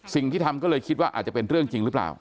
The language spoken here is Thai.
สิ่งที่ทำก็เลยคิดว่าอาจจะเป็นเรื่องจริงหรือเปล่า